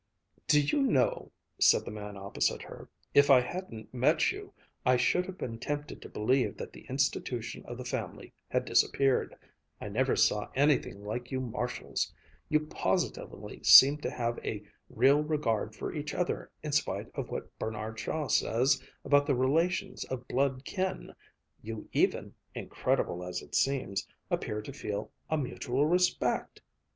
"Do you know," said the man opposite her, "if I hadn't met you, I should have been tempted to believe that the institution of the family had disappeared. I never saw anything like you Marshalls! You positively seem to have a real regard for each other in spite of what Bernard Shaw says about the relations of blood kin. You even, incredible as it seems, appear to feel a mutual respect!"